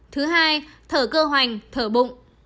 thứ hai thở cơ hoành thở bụng